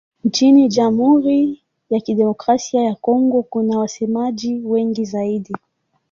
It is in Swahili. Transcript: Nchini Jamhuri ya Kidemokrasia ya Kongo kuna wasemaji wengi zaidi.